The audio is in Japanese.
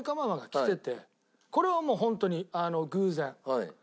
これはもうホントに偶然。